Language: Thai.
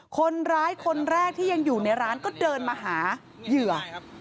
คนร้ายคนแรกที่ยังอยู่ในร้านก็เดินมาหาเหยื่อ